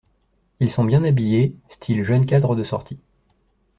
Ils sont bien habillés, style jeunes cadres de sortie.